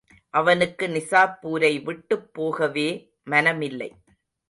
அவனுக்கு நிசாப்பூரை விட்டுப் போகவே மனமில்லை.